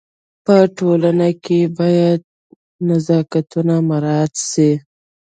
په ټولنه کي باید نزاکتونه مراعت سي.